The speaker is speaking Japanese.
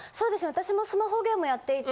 私もスマホゲームやっていて。